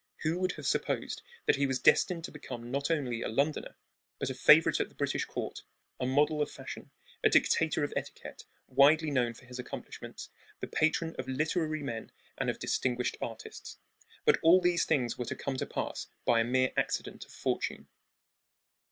Who would have supposed that he was destined to become not only a Londoner, but a favorite at the British court, a model of fashion, a dictator of etiquette, widely known for his accomplishments, the patron of literary men and of distinguished artists? But all these things were to come to pass by a mere accident of fortune.